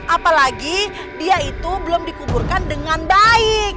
apalagi dia itu belum dikuburkan dengan baik